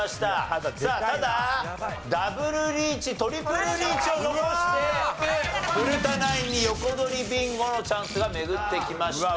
さあただダブルリーチトリプルリーチを残して古田ナインに横取りビンゴのチャンスが巡ってきました。